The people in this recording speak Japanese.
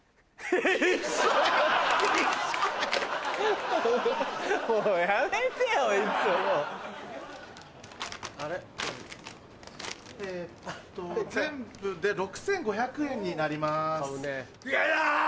えっと全部で６５００円になります。